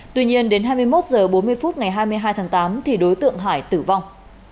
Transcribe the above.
tuy nhiên đến hai mươi một h bốn mươi phút ngày hai mươi hai tháng tám thì đối tượng hải tử vong